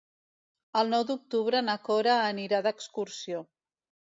El nou d'octubre na Cora anirà d'excursió.